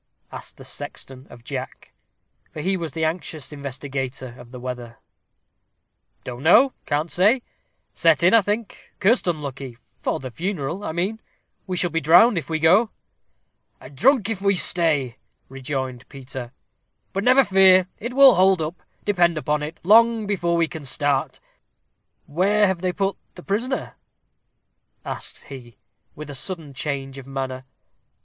asked the sexton of Jack, for he was the anxious investigator of the weather. "Don't know can't say set in, I think cursed unlucky for the funeral, I mean we shall be drowned if we go." "And drunk if we stay," rejoined Peter. "But never fear, it will hold up, depend upon it, long before we can start. Where have they put the prisoner?" asked he, with a sudden change of manner.